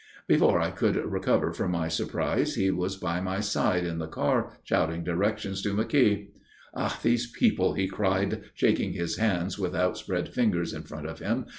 Before I could recover from my surprise, he was by my side in the car shouting directions to McKeogh. "Ah! These people!" he cried, shaking his hands with outspread fingers in front of him.